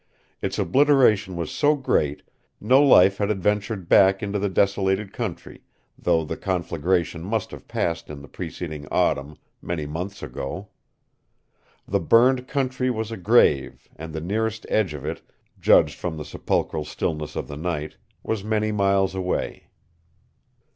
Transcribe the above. Its obliteration was so great no life had adventured back into the desolated country, though the conflagration must have passed in the preceding autumn, many months ago. The burned country was a grave and the nearest edge of it, judged from the sepulchral stillness of the night, was many miles away.